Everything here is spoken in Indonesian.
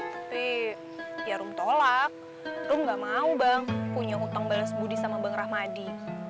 tapi ya rum tolak rum gak mau bang punya hutang balas budi sama bang rahmadi